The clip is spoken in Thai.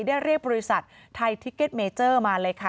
ได้เรียกบริษัทไทยทิเก็ตเมเจอร์มาเลยค่ะ